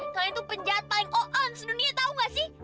kalian tuh penjahat paling oan se dunia tau gak sih